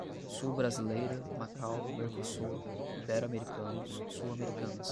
sul-brasileira, Macau, Mercosul, Ibero-americanos, Sul-Americanas